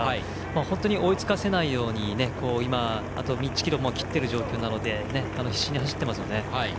本当に追いつかせないようにあと１ｋｍ切っている状況なので必死に走っていますよね。